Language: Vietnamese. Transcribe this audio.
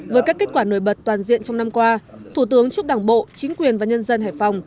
với các kết quả nổi bật toàn diện trong năm qua thủ tướng chúc đảng bộ chính quyền và nhân dân hải phòng